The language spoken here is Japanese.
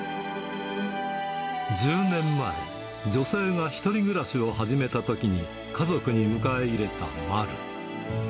１０年前、女性が１人暮らしを始めたときに、家族に迎え入れた、まる。